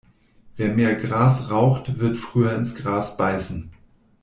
Wer mehr Gras raucht, wird früher ins Gras beißen.